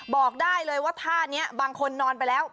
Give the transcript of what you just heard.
บอกได้เลยว่าท่านี้บางคนนอนไปแล้ว